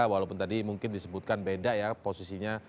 walaupun tadi mungkin disebutkan beda ya posisinya